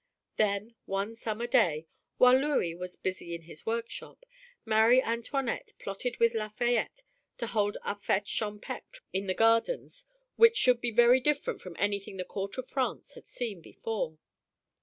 Then one summer day, while Louis was busy in his workshop, Marie Antoinette plotted with Lafayette to hold a fête champêtre in the gardens which should be very different from anything the court of France had seen before.